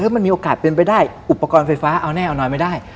มันมีโอกาสเป็นไปได้อุปกรณ์ไฟฟ้าเอาแน่เอานอนไม่ได้